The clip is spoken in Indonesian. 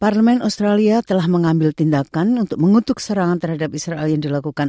parlemen australia telah mengambil tindakan untuk mengutuk serangan terhadap israel yang dilakukan